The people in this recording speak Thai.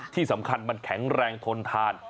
ที่สำคัญมันแข็งแรงทนทาน